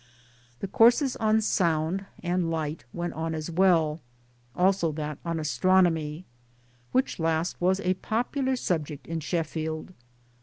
The courses on '* Sound " and " Light " went on as well ; also that on " Astronomy " which last was a popular subject in Sheffield.